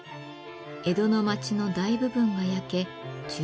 江戸の町の大部分が焼け１０万